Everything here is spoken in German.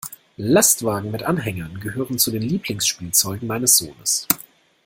Lastwagen mit Anhängern gehören zu den Lieblingsspielzeugen meines Sohnes.